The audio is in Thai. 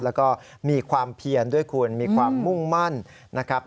แล้วก็มีความเพียนด้วยคุณมีความมุ่งมั่นนะครับ